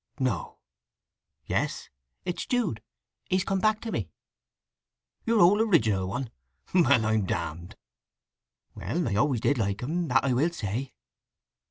"No!" "Yes. It's Jude. He's come back to me." "Your old original one? Well, I'm damned!" "Well, I always did like him, that I will say."